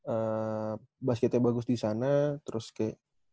eh basketnya bagus di sana terus kayak